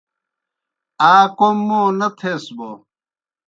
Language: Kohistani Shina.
آ کوْم موں نہ تھیس بوْ